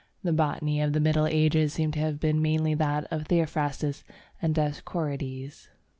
The botany of the Middle Ages seems to have been mainly that of Theophrastus and Dioscorides.